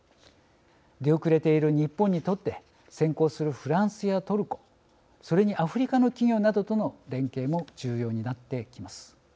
出遅れている日本にとって先行するフランスやトルコそれにアフリカの企業などとの連携も重要になってきます。